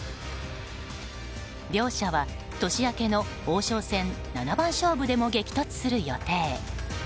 両者は年明けの王将戦七番勝負でも激突する予定。